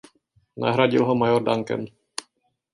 Nahradil ho major Duncan.